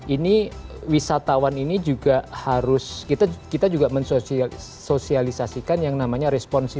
ini wisatawan ini juga harus kita juga mensosialisasikan yang namanya responsif